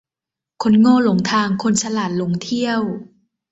คนโง่หลงทางคนฉลาดหลงเที่ยว